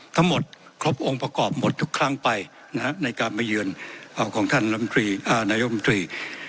ทั้งหมดครบองค์ประกอบหมดทุกครั้งไปในการมาเยือนของท่านนายกรรมตรี